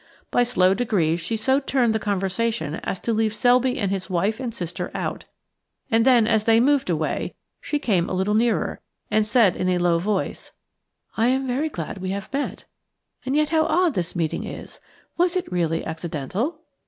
By slow degrees she so turned the conversation as to leave Selby and his wife and sister out, and then as they moved away she came a little nearer, and said in a low voice:– "I am very glad we have met, and yet how odd this meeting is! Was it really accidental?"